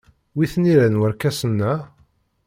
Wi t-nilan warkasen-a?